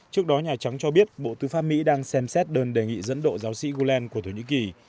trước đó nhà trắng cho biết bộ tư pháp mỹ đang xem xét đơn đề nghị dẫn độ giáo sĩ gueland của thổ nhĩ kỳ